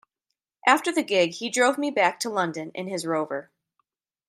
After the gig he drove me back to London in his Rover.